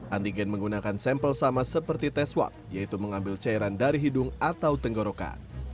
antigen menggunakan sampel sama seperti tes swab yaitu mengambil cairan dari hidung atau tenggorokan